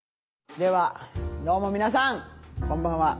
ではどうも皆さんこんばんは。